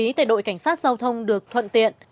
đăng ký tại đội cảnh sát giao thông được thuận tiện